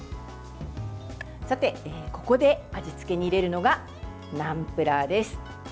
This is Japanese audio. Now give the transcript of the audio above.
さて、ここで味付けに入れるのがナムプラーです。